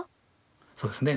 そうですね。